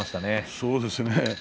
そうですね。